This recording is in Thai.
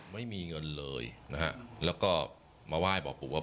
ไม่มีเงินเลยนะฮะแล้วก็มาไหว้บอกปู่ว่า